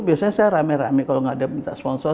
biasanya saya rame rame kalau nggak ada minta sponsor